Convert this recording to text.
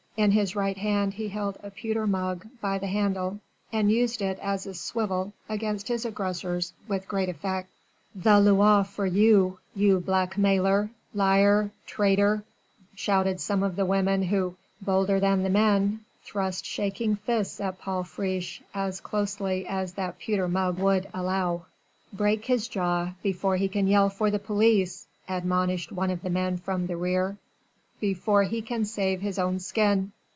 In his right hand he held a pewter mug by the handle and used it as a swivel against his aggressors with great effect. "The Loire for you you blackmailer! liar! traitor!" shouted some of the women who, bolder than the men, thrust shaking fists at Paul Friche as closely as that pewter mug would allow. "Break his jaw before he can yell for the police," admonished one of the men from the rear, "before he can save his own skin."